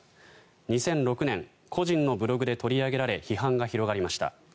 ２００６年、個人のブログで取り上げられ批判が広まりました。